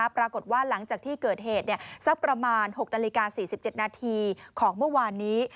ปรากฏว่าหลังจากที่เกิดเหตุสักประมาณ๖นาฬิกา๔๗นาทีของเมื่อวานนี้